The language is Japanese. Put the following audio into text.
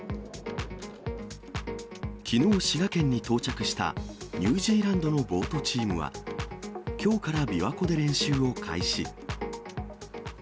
きのう、滋賀県に到着したニュージーランドのボートチームは、きょうからびわ湖で練習を開始。